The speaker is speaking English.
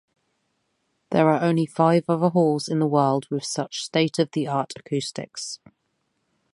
There are only five other halls in the world with such state-of-the-art acoustics.